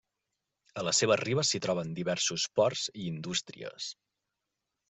A les seves ribes s'hi troben diversos ports i indústries.